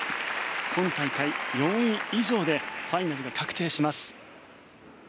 今大会、４位以上でファイナルが確定します。